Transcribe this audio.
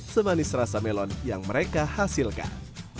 semanis rasa melon yang mereka hasilkan